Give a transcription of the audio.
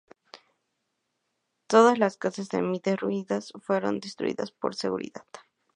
Todas las casas semi derruidas fueron destruidas por seguridad.